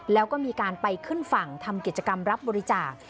แล้วก็มีการไปขึ้นฝั่งทำกิจกรรมรับบริจาค